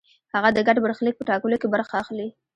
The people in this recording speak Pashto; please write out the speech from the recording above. هغه د ګډ برخلیک په ټاکلو کې برخه اخلي.